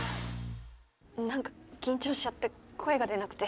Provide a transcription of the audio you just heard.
何か緊張しちゃって声が出なくて。